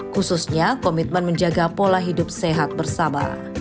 khususnya komitmen menjaga pola hidup sehat bersama